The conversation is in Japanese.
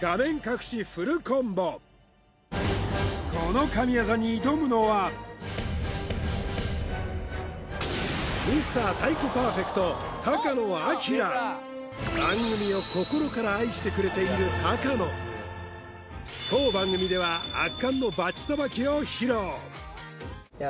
この神業に挑むのは番組を心から愛してくれている高野当番組では圧巻のバチさばきを披露いや